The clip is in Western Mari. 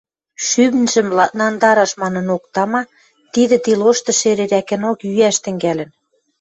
Шӱмжӹм ладнангдараш манынок, тама, тидӹ тилошты шӹрерӓкӹнок йӱӓш тӹнгӓлӹн.